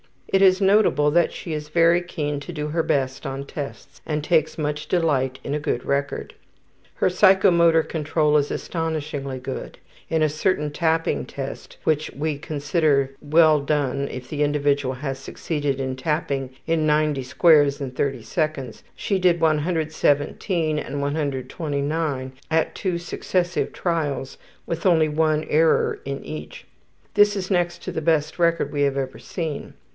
It is notable that she is very keen to do her best on tests and takes much delight in a good record. Her psychomotor control is astonishingly good. In a certain tapping test, which we consider well done if the individual has succeeded in tapping in 90 squares in 30 seconds, she did 117 and 129 at two successive trials with only one error in each. This is next to the best record we have ever seen.